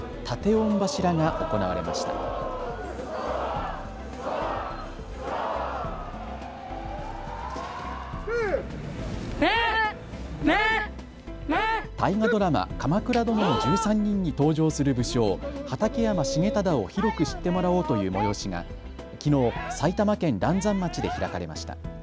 大河ドラマ、鎌倉殿の１３人に登場する武将、畠山重忠を広く知ってもらおうという催しがきのう埼玉県嵐山町で開かれました。